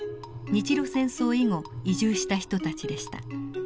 日露戦争以後移住した人たちでした。